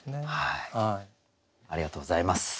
ありがとうございます。